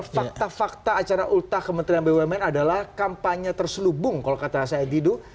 fakta fakta acara ulta kementerian bumn adalah kampanye terselubung kalau kata said didu